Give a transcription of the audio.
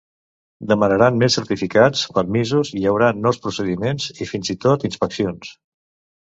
Demanaran més certificats, permisos, hi haurà nous procediments i, fins i tot, inspeccions.